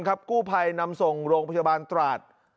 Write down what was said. กู้ภัยนำส่งโรงพยาบาลตราด